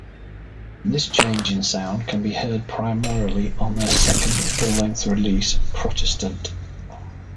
This change in sound can be heard primarily on their second full-length release, "Protestant".